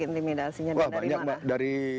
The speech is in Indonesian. intimidasinya dari mana wah banyak dari